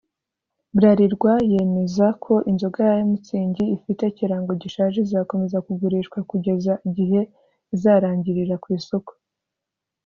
Bralirwa yemeza ko inzoga ya Mützig ifite ikirango gishaje izakomeza kugurishwa kugeza igihe izarangirira ku isoko